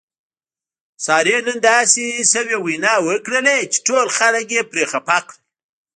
سارې نن داسې سوې وینا وکړله چې ټول خلک یې پرې خپه کړل.